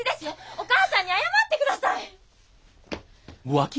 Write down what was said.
お母さんに謝ってください！浮気？